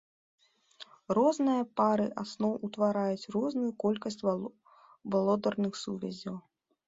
Розныя пары асноў утвараюць розную колькасць вадародных сувязяў.